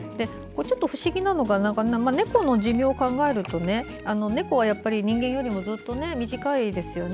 不思議なのが猫の寿命を考えると猫は人間よりもずっと短いですよね。